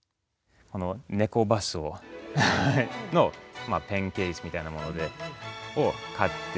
このネコバスのペンケースみたいなものを買って。